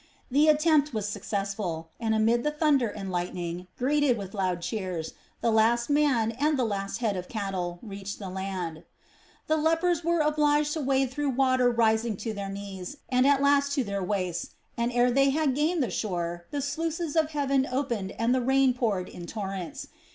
The attempt was successful and, amid the thunder and lightning, greeted with loud cheers, the last man and the last head of cattle reached the land. The lepers were obliged to wade through water rising to their knees and at last to their waists and, ere they had gained the shore, the sluices of heaven opened and the rain poured in torrents.